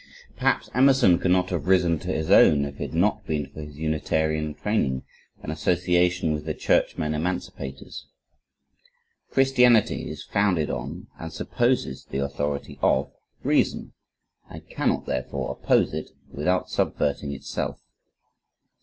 Perhaps Emerson could not have risen to his own, if it had not been for his Unitarian training and association with the churchmen emancipators. "Christianity is founded on, and supposes the authority of, reason, and cannot therefore oppose it, without subverting itself."